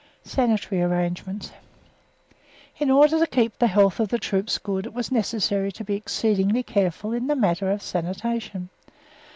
SANITARY ARRANGEMENTS In order to keep the health of the troops good it was necessary to be exceedingly careful in the matter of sanitation.